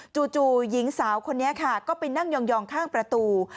จู่หญิงสาวคนนี้ค่ะก็ไปนั่งยองข้างประตู